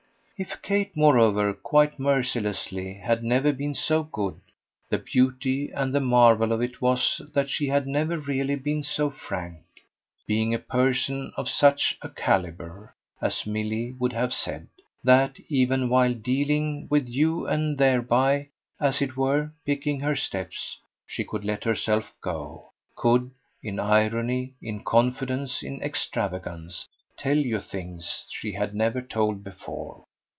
If Kate moreover, quite mercilessly, had never been so good, the beauty and the marvel of it was that she had never really been so frank: being a person of such a calibre, as Milly would have said, that, even while "dealing" with you and thereby, as it were, picking her steps, she could let herself go, could, in irony, in confidence, in extravagance, tell you things she had never told before.